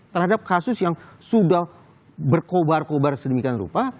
terhadap kasus yang sudah berkobar kobar sedemikian rupa